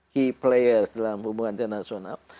key players dalam hubungan internasional